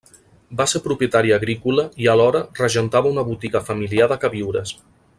Va ser propietari agrícola i a l'hora regentava una botiga familiar de queviures.